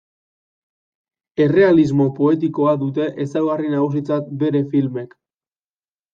Errealismo poetikoa dute ezaugarri nagusitzat bere filmek.